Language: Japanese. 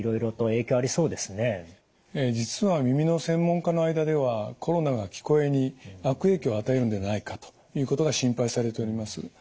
ええ実は耳の専門家の間ではコロナが聞こえに悪影響を与えるんではないかということが心配されております。